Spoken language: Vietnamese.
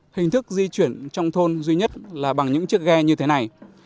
hình thức di chuyển trong thôn duy nhất là bằng những chiếc ghe như thế này